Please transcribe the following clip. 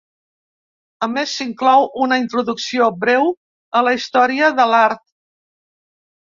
A més, s'inclou una introducció breu a la Història de l'Art.